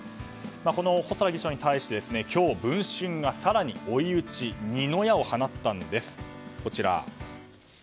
細田議長に対して今日、「文春」が更に追い打ち二の矢を放ったんです。